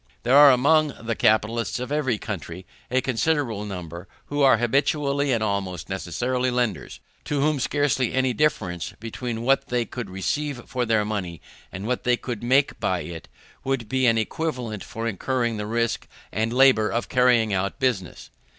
There are among the capitalists of every country a considerable number who are habitually, and almost necessarily, lenders; to whom scarcely any difference between what they could receive for their money and what could be made by it, would be an equivalent for incurring the risk and labour of carrying on business.